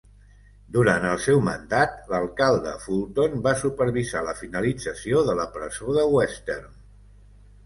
Durant el seu mandat, l'alcalde Fulton va supervisar la finalització de la presó de Western.